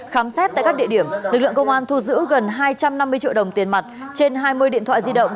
khám xét tại các địa điểm lực lượng công an thu giữ gần hai trăm năm mươi triệu đồng tiền mặt trên hai mươi điện thoại di động